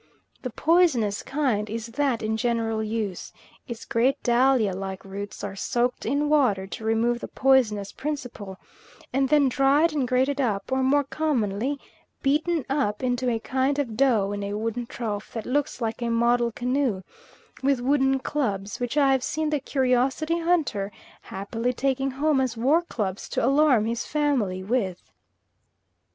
The poisonous kind is that in general use; its great dahlia like roots are soaked in water to remove the poisonous principle, and then dried and grated up, or more commonly beaten up into a kind of dough in a wooden trough that looks like a model canoe, with wooden clubs, which I have seen the curiosity hunter happily taking home as war clubs to alarm his family with.